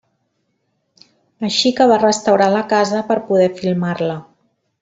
Així que va restaurar la casa per poder filmar-la.